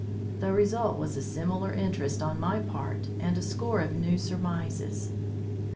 The result was a similar interest on my part and a score of new surmises.